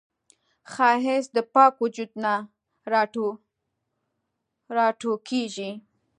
ښایست د پاک وجود نه راټوکېږي